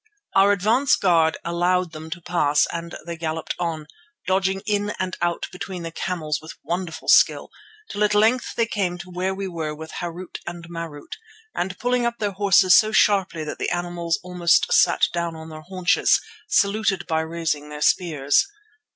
Our advance guard allowed them to pass and they galloped on, dodging in and out between the camels with wonderful skill till at length they came to where we were with Harût and Marût, and pulling up their horses so sharply that the animals almost sat down on their haunches, saluted by raising their spears.